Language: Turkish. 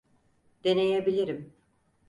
Deneyebilirim.